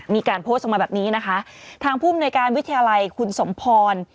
มีการโพสต์ออกมาแบบนี้นะคะทางภูมิในการวิทยาลัยคุณสมพร